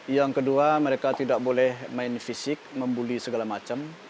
yang kedua mereka tidak boleh main fisik membuli segala macam